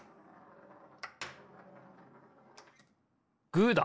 グーだ！